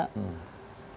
mengekspresikan diri bahwa